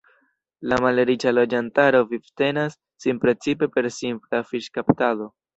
La malriĉa loĝantaro vivtenas sin precipe per simpla fiŝkaptado.